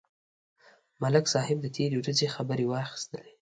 ملک صاحب د تېرې ورځې خبرې واخیستلې.